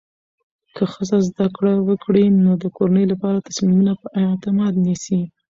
که ښځه زده کړه وکړي، نو د کورنۍ لپاره تصمیمونه په اعتماد نیسي.